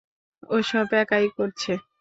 ও সব একাই করছে।